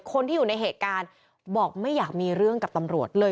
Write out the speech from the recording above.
คนที่อยู่ในเหตุการณ์บอกไม่อยากมีเรื่องกับตำรวจเลย